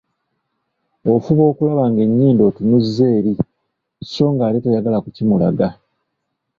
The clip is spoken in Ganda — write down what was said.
"Ofuba okulaba ng'ennyindo otunuza eri, so ng'ate toyagala kukimulaga."